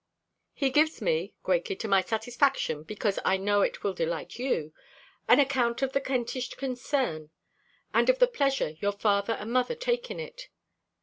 He gives me (greatly to my satisfaction, because I know it will delight you) an account of the Kentish concern, and of the pleasure your father and mother take in it.